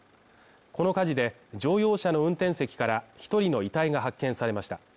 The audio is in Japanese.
この火事で、乗用車の運転席から１人の遺体が発見されました。